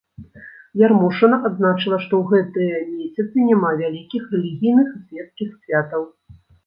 Ярмошына адзначыла, што ў гэтыя месяцы няма вялікіх рэлігійных і свецкіх святаў.